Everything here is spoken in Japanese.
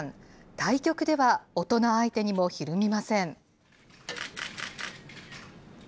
対局では大人相手にもひるみません。